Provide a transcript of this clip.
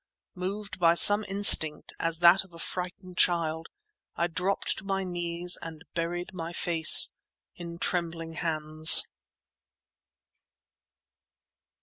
Moved by some instinct, as that of a frightened child, I dropped to my knees and buried my face in trembling hands.